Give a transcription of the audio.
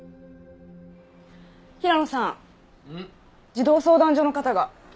児童相談所の方が。